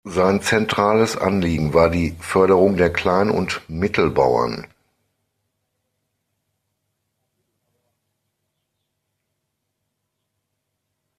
Sein zentrales Anliegen war die Förderung der Klein- und Mittelbauern.